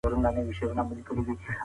دی وايي چي مطالعه په انسان ژور اثر لري.